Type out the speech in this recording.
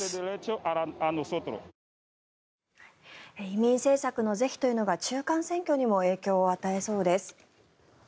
移民政策の是非というのが中間選挙にも影響を与えそうです。